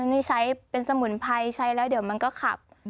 นี่ใช้เป็นสมุนไพรใช้แล้วเดี๋ยวมันก็ขับ